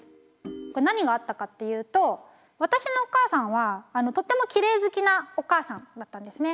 これ何があったかっていうと私のお母さんはとってもきれい好きなお母さんだったんですね。